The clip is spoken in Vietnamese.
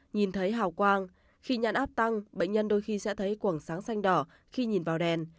nhìn thấy hào quang khi nhăn áp tăng bệnh nhân đôi khi sẽ thấy cuồng sáng xanh đỏ khi nhìn vào đèn